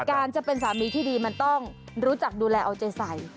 การจะเป็นสามีที่ดีมันต้องรู้จักดูแลเอาใจใส่